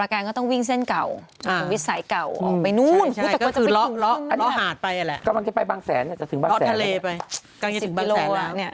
กลางเย็นถึงบางแสนแล้ว